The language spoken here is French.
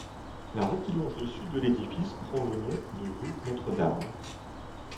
La rue qui longe le sud l'édifice prend le nom de rue Notre-Dame.